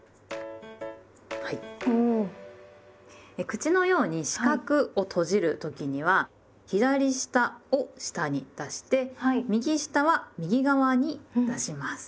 口のように四角を閉じる時には左下を下に出して右下は右側に出します。